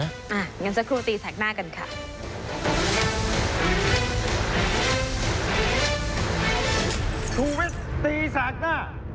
อย่างนั้นสักครู่ตีแสกหน้ากันค่ะ